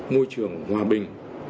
môi trường hòa bình